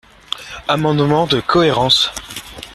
Amendement de cohérence.